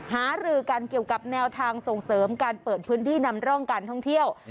หารือกันเกี่ยวกับแนวทางส่งเสริมการเปิดพื้นที่นำร่องการท่องเที่ยว